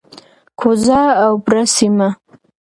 کوزه او بره سیمه،